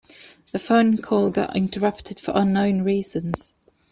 The phone call got interrupted for unknown reasons.